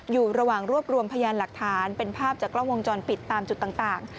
อยู่ระหว่างรวบรวมพยานหลักฐานเป็นภาพจากกล้องวงจรปิดตามจุดต่าง